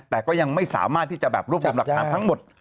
แต่ก็ยังไม่สามารถที่จะแบบร่วมรับคำทั้งหมด